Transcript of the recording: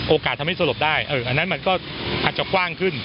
ทำให้สลบได้อันนั้นมันก็อาจจะกว้างขึ้น